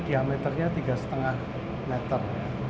diameternya tiga lima meter